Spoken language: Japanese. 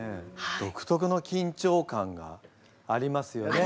独特のきんちょう感がありますよね。